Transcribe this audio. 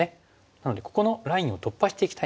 なのでここのラインを突破していきたいんです。